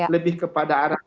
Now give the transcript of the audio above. lebih kepada arah